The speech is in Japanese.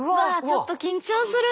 ちょっと緊張する。